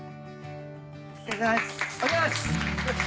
お疲れさまです。